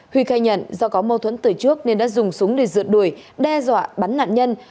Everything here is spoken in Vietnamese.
huy khai nhận do có mâu thuẫn từ trước nên đã dùng súng để rượt đuổi đe dọa bắn nạn nhân